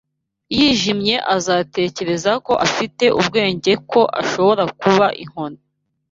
yijimye azatekereza ko afite ubwenge ko ashobora kuba inkoni